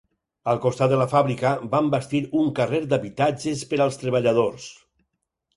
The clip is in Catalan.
Al costat de la fàbrica van bastir un carrer d'habitatges per als treballadors.